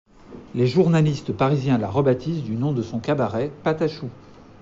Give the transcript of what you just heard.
Les journalistes parisiens la rebaptisent du nom de son cabaret, Patachou.